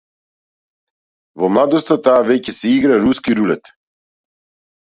Во младоста, таа веќе си игра руски рулет.